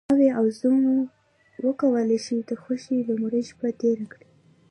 ناوې او زوم وکولی شي د خوښۍ لومړۍ شپه تېره کړي.